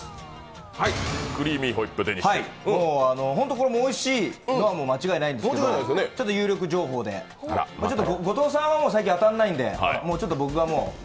ホントこれもおいしいのは間違いないんですけど、有力情報で、後藤さんは最近当たんないんで僕がもう、